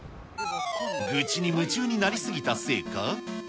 愚痴に夢中になりすぎたせいか。